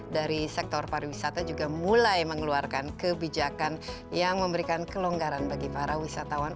dari sektor pariwisata juga mulai mengeluarkan kebijakan yang memberikan kelonggaran bagi para wisatawan